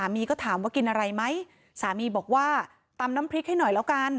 มีก็ถามว่ากินอะไรไหมสามีบอกว่าตำน้ำพริกให้หน่อยแล้วกัน